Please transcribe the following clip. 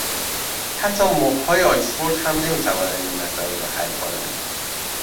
حتی مخهای آکسفورد هم نمیتوانند این مسئله را حل کنند.